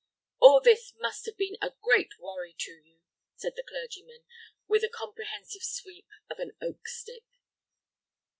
"All this must have been a great worry to you," said the clergyman, with a comprehensive sweep of an oak stick.